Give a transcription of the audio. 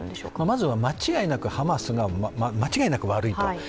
まずは間違いなくハマスが間違いなく悪いと。